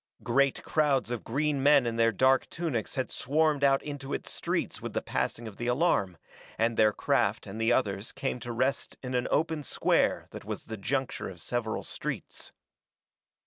Great crowds of green men in their dark tunics had swarmed out into its streets with the passing of the alarm, and their craft and the others came to rest in an open square that was the juncture of several streets.